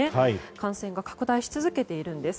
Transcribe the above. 感染が拡大し続けているんです。